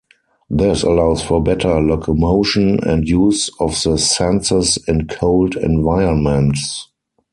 This allows for better locomotion and use of the senses in cold environments.